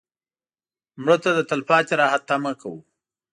مړه ته د تلپاتې راحت تمه کوو